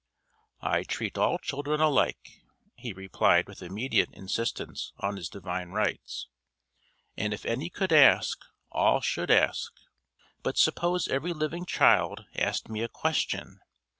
"I treat all children alike," he replied with immediate insistence on his divine rights. "And if any could ask, all should ask. But suppose every living child asked me a question.